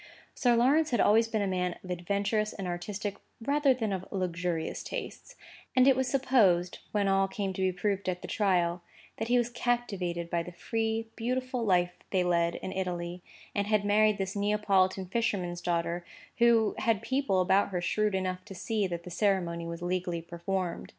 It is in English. Sir Lawrence had always been a man of adventurous and artistic, rather than of luxurious tastes; and it was supposed, when all came to be proved at the trial, that he was captivated by the free, beautiful life they lead in Italy, and had married this Neapolitan fisherman's daughter, who had people about her shrewd enough to see that the ceremony was legally performed.